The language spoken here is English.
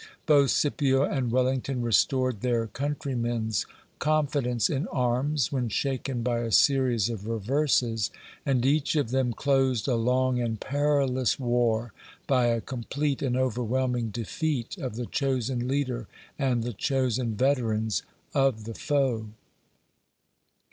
Both Scipio and Wellington restored their countrymen's confidence in arms when shaken by a series of reverses, and each of them closed a long and perilous war by a complete and overwhelming defeat of the chosen leader and the chosen veterans of the foe."